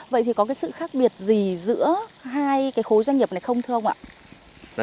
vậy thì có sự khác biệt gì giữa hai khối doanh nghiệp này không thưa ông ạ